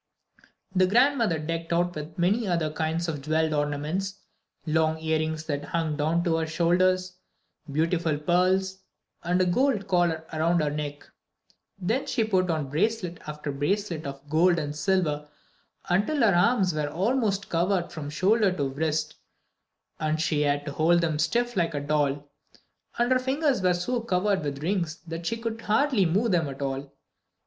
The grandmother decked her out with many other kinds of jewelled ornaments, long earrings that hung down to her shoulders, beautiful pearls, and a gold collar around her neck. Then she put on bracelet after bracelet of gold and silver until her arms were almost covered from shoulder to wrist, and she had to hold them stiff like a doll. And her fingers were so covered with rings that she could hardly move them at all.